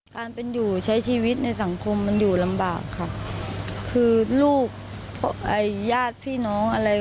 การเป็นอยู่ใช้ชีวิตในสังคมมันอยู่ลำบากค่ะคือลูกญาติพี่น้องอะไร